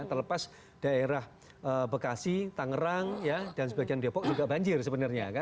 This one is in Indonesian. terlepas daerah bekasi tangerang dan sebagian depok juga banjir sebenarnya